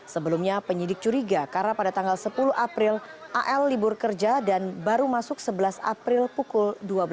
sebelumnya penyidik curiga karena pada tanggal sepuluh april al libur kerja dan baru masuk sebelas april pukul dua belas